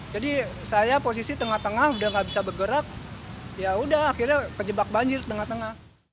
saya posisi tengah tengah udah gak bisa bergerak ya udah akhirnya kejebak banjir tengah tengah